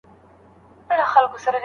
هیڅوک باید انصاف هېر نه کړي.